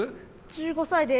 １５歳です。